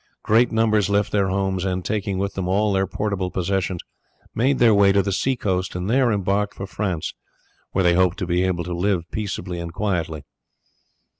Great numbers left their homes, and taking with them all their portable possessions, made their way to the sea coast, and there embarked for France, where they hoped to be able to live peaceably and quietly.